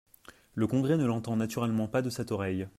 Le Congrès ne l’entend naturellement pas de cette oreille.